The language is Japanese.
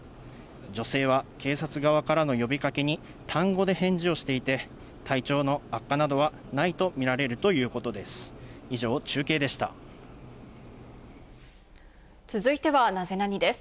女性は警察側からの呼びかけに、単語で返事をしていて、体調の悪化などはないと見られるということです。